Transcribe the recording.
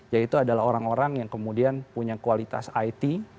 yaitu adalah orang orang yang kemudian punya kualitas it